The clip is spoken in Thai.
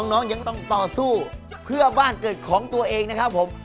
น้องยังต้องต่อสู้เพื่อบ้านเกิดของตัวเองนะครับผม